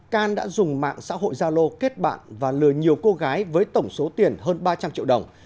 can đã dùng mạng xã hội gia lô kết bạn và lừa nhiều cô gái với tổng số tiền hơn ba trăm linh triệu đồng